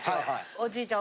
おじいちゃん